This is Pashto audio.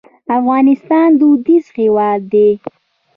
افغانستان دودیز هېواد دی.